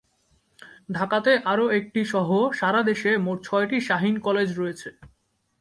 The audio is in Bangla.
ঢাকাতে আরও একটি সহ সারা দেশে মোট ছয়টি শাহীন কলেজ রয়েছে।